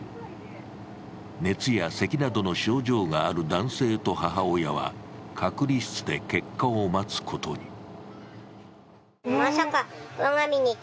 熱やせきなどの症状がある男性と母親は隔離室で結果を待つことに。